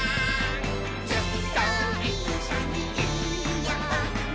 「ずっといっしょにいようね」